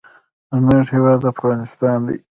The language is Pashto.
زموږ هیواد افغانستان دی.